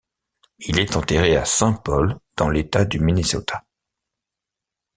Il est enterré à Saint Paul dans l'État du Minnesota.